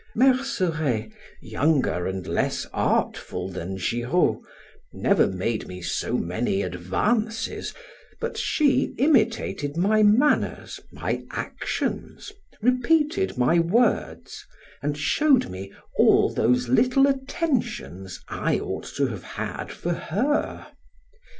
Merceret, younger and less artful than Giraud, never made me so many advances, but she imitated my manners, my actions, repeated my words, and showed me all those little attentions I ought to have had for her.